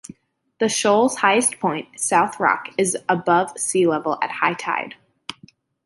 The shoal's highest point, "South Rock", is above sea-level at high tide.